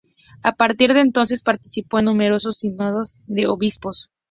A partir de entonces, participó en numerosos sínodos de obispos.